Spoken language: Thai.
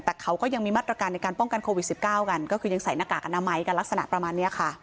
แต่เขาก็ยังมีมาตรการในการป้องกันโควิด๑๙กันก็คือยังใส่หน้ากากอนามัยกันลักษณะประมาณนี้ค่ะ